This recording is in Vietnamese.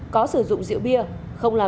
có sử dụng rượu bia